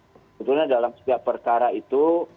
sebetulnya dalam setiap perkara itu